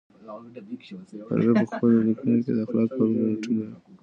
فارابي په خپلو ليکنو کي د اخلاقو پر رول ډېر ټينګار کړی.